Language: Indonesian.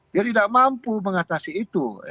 dia tidak mampu mengatasi itu